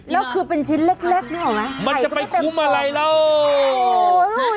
แล้วคือเป็นชิ้นเล็กนี่เหรอไหมไข่ก็ไม่เต็มพอมันจะไปคุ้มอะไรแล้ว